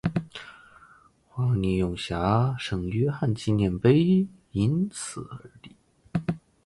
黄泥涌峡圣约翰纪念碑因此而立。